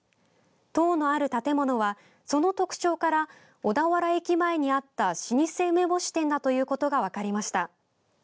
塔のある建物は、その特徴から小田原駅前にあった老舗梅干し店だということが分かりました。